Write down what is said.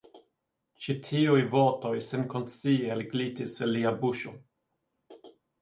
Ĉi tiuj vortoj senkonscie elglitis el lia buŝo.